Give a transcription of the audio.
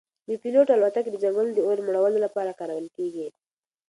بې پیلوټه الوتکې د ځنګلونو د اور مړولو لپاره کارول کیږي.